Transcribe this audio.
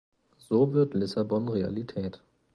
So wird Lissabon Realität.